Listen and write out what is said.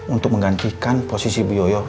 untuk menggantikan posisi bu yoyo